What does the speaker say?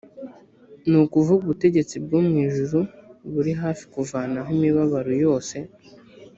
ni ukuvuga ubutegetsi bwo mu ijuru buri hafi kuvanaho imibabaro yose.